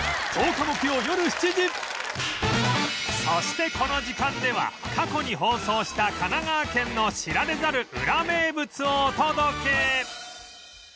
そしてこの時間では過去に放送した神奈川県の知られざるウラ名物をお届け！